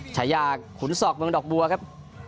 ฉายาขุนศอกเมืองดอกบัวครับ